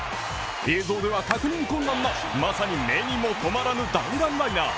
映像では確認困難なまさに目にもとまらぬ弾丸ライナー。